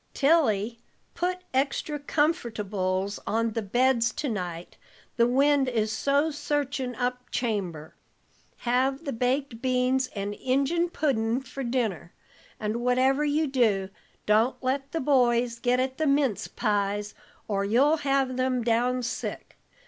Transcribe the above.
"Tilly, put extry comfortables on the beds to night, the wind is so searchin' up chamber. Have the baked beans and Injun puddin' for dinner, and whatever you do, don't let the boys git at the mince pies, or you'll have them down sick.